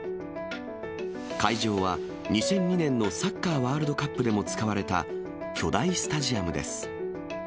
会場は２００２年のサッカーワールドカップでも使われた、巨大スタジアムです。